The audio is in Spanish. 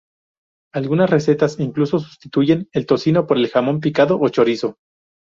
Algunas recetas incluso sustituyen el tocino por jamón picado o chorizo.